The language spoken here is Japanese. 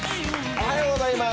おはようございます。